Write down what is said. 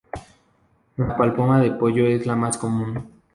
La pamplona de pollo es la más común.